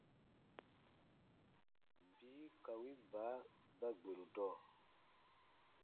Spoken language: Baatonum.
Bii ka win baa ba gberu dɔɔ.